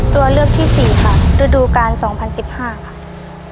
ตัวเลือกที่๔ค่ะฤดูกาล๒๐๑๕ค่ะ